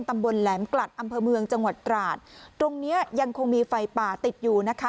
ตำบลแหลมกลัดอำเภอเมืองจังหวัดตราดตรงเนี้ยยังคงมีไฟป่าติดอยู่นะคะ